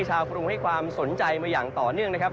กรุงให้ความสนใจมาอย่างต่อเนื่องนะครับ